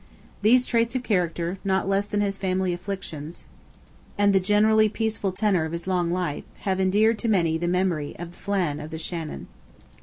These traits of character, not less than his family afflictions, and the generally peaceful tenor of his long life, have endeared to many the memory of Flan of the Shannon.